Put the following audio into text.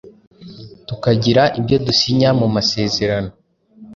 tukagira ibyo dusinya mumasezerano